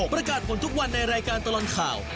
ประกาศผลทุกวันในรายการตลอดข่าว